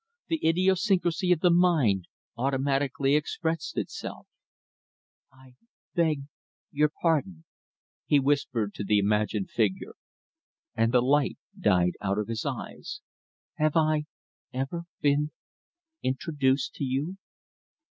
The idiosyncrasy of the mind automatically expressed itself. "I beg your pardon," he whispered to the imagined figure, and the light died out of his eyes, "have I ever been introduced to you?"